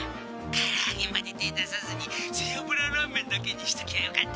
☎からあげまで手を出さずに背あぶらラーメンだけにしときゃよかったのう。